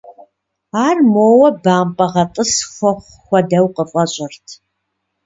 Ар моуэ бампӏэ гъэтӏыс хуэхъу хуэдэу къыфӏэщӏырт.